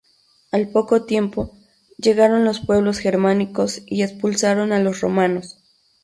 Al poco tiempo, llegaron los pueblos germánicos y expulsaron a los romanos.